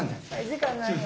時間ないよ。